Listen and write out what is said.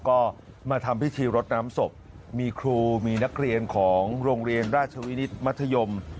ก็มาทำพิธีรดน้ำศพมีครูมีนักเรียนของโรงเรียนราชวินิตมัธยม